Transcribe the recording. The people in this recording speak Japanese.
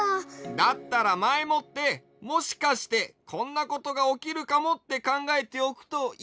だったらまえもってもしかしてこんなことがおきるかもってかんがえておくといいかもよ。